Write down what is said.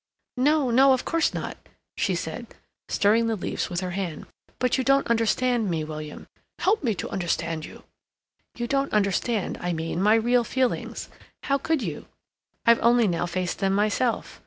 "No, no, of course not," she said, stirring the leaves with her hand. "But you don't understand me, William—" "Help me to understand you—" "You don't understand, I mean, my real feelings; how could you? I've only now faced them myself.